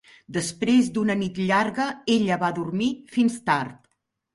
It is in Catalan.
Després d'una nit llarg, ella va dormir fins tard.